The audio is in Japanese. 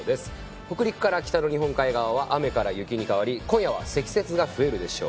北陸から北の日本海側は雨から雪に変わり今夜は積雪が増えるでしょう。